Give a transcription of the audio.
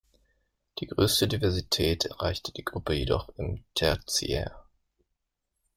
Die größte Diversität erreichte die Gruppe jedoch im Tertiär.